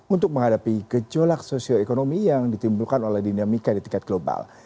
untuk menghadapi gejolak sosioekonomi yang ditimbulkan oleh dinamika di tingkat global